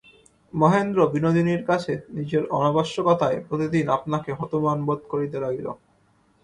মহেন্দ্র বিনোদিনীর কাছে নিজের অনাবশ্যকতায় প্রতিদিন আপনাকে হতমান বোধ করিতে লাগিল।